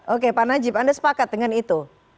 oke pak najib anda sepakat dengan itu